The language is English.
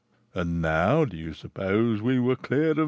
And now you suppose we were clear of M.